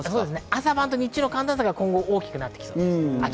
朝晩と日中の寒暖差が今後、大きくなってきそうです。